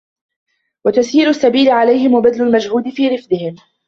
وَتَسْهِيلُ السَّبِيلِ عَلَيْهِمْ وَبَذْلُ الْمَجْهُودِ فِي رِفْدِهِمْ